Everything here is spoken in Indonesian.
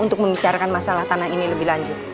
untuk membicarakan masalah tanah ini lebih lanjut